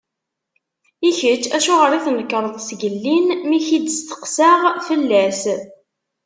I kečč, acuɣer i tnekreḍ sgellin mi k-id-steqsaɣ fell-as?